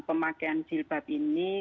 pemakaian jilbab ini